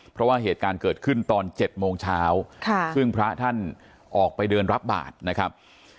เพราะว่าเหตุการณ์เกิดขึ้นตอน๗โมงเช้าซึ่งพระท่านออกไปเดินรับบาทนะครับ